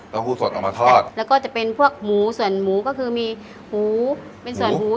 หู้สดออกมาทอดแล้วก็จะเป็นพวกหมูส่วนหมูก็คือมีหมูเป็นส่วนหมู